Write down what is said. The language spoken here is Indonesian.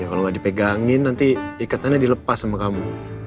kalau nggak dipegangin nanti ikatannya dilepas sama kamu